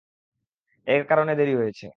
এর কারনে দেরি হয়েছে।